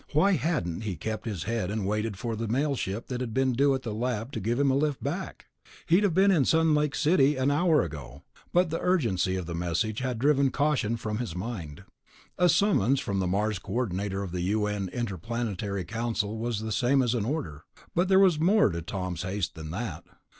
Why hadn't he kept his head and waited for the mail ship that had been due at the Lab to give him a lift back? He'd have been in Sun Lake City an hour ago ... but the urgency of the message had driven caution from his mind. A summons from the Mars Coordinator of the U.N. Interplanetary Council was the same as an order ... but there was more to Tom's haste than that.